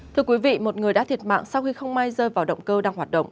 thưa quý vị một người đã thiệt mạng sau khi không may rơi vào động cơ đang hoạt động